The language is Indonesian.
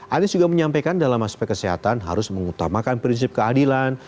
anies juga menyampaikan dalam aspek kesehatan harus mengutamakan prinsip keadilan